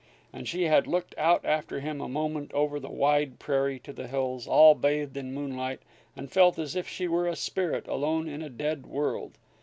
And she had looked out after him a moment over the wide prairie to the hills, all bathed in moonlight, and felt as if she were a spirit alone in a dead world.